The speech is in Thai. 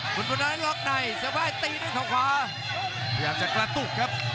คุณบนนั้นล็อกในเสื้อผ้าตีด้วยเขาขวาพยายามจะกระตุกครับ